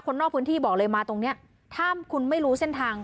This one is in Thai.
นอกพื้นที่บอกเลยมาตรงเนี้ยถ้าคุณไม่รู้เส้นทาง